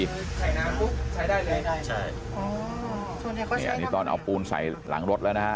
ใช้ได้เลยใช่อ๋อนี่อันนี้ตอนเอาปูนใส่หลังรถแล้วนะฮะ